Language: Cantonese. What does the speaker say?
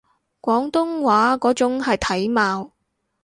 廣東話嗰種係體貌